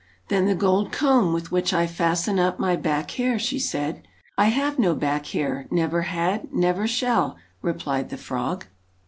'Then the gold comb with which I fasten up my back hair/ she said. 'I have no back hair never had, never shall/ replied the frog.